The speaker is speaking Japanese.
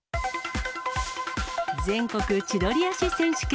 全国千鳥足選手権。